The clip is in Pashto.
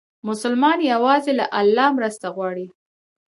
مسلمان یوازې له الله مرسته غواړي.